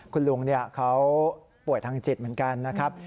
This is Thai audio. คุณลุงเขาป่วยทางจิตเหมือนกันนะครับ